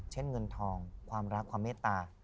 เงินทองความรักความเมตตา